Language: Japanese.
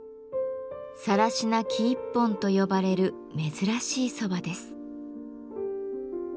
「更科生一本」と呼ばれる珍しい蕎麦です。